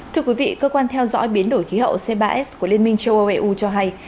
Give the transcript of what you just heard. thưa quý vị cơ quan theo dõi biến đổi khí hậu c ba s của liên minh châu âu eu cho hay